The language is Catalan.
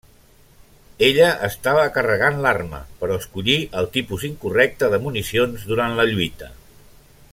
Ella estava carregant l'arma, però escollí el tipus incorrecte de municions durant la lluita.